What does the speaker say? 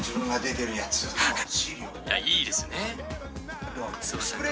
いいですね。